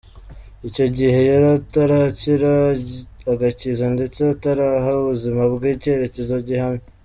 Icyo gihe yari atarakira agakiza ndetse ataraha ubuzima bwe icyerekezo gihamye.